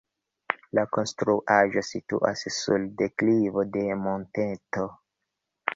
La konstruaĵo situas sur deklivo de monteto.